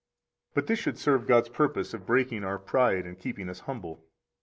90 But this should serve God's purpose of breaking our pride and keeping us humble.